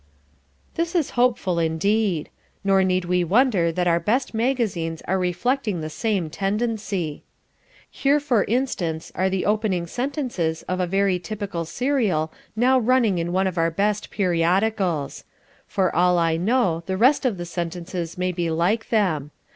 This is hopeful indeed. Nor need we wonder that our best magazines are reflecting the same tendency. Here for instance are the opening sentences of a very typical serial now running in one of our best periodicals: for all I know the rest of the sentences may be like them.